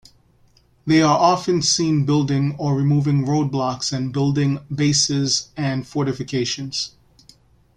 They are often seen building or removing road blocks and building bases and fortifications.